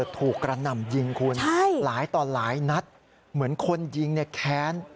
กระหน่ำยิงคุณหลายต่อหลายนัดเหมือนคนยิงเนี่ยแค้น